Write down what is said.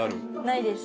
ないです。